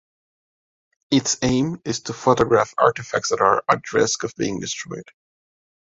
Its aim is to photograph artifacts that are at risk of being destroyed.